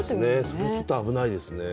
そこ、ちょっと危ないですね。